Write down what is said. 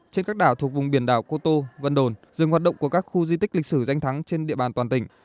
trên các đảo thuộc vùng biển đảo cô tô vân đồn dừng hoạt động của các khu di tích lịch sử danh thắng trên địa bàn toàn tỉnh